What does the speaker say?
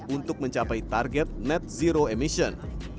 untuk mencapai target net zero emission